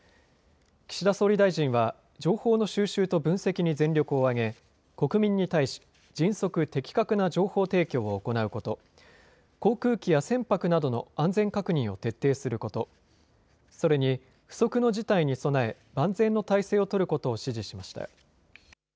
岸田総理大臣は情報の収集と分析に全力を挙げ国民に対し、迅速・的確な情報提供を行うこと、航空機や船舶などの安全確認を徹底すること、それに不測の事態に備え万全の態勢を取ることを指示しました。